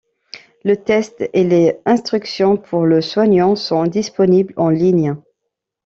Le test et les instructions pour le soignant sont disponibles en ligne.